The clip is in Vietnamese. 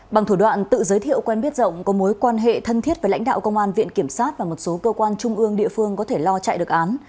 bằng thủ đoạn tự giới thiệu quen biết rộng có mối quan hệ thân thiết với lãnh đạo công an viện kiểm sát và một số cơ quan trung ương địa phương có thể lo chạy được án